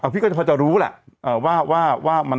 พี่ก็จะพอจะรู้แหละว่า